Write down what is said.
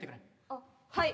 あっはい。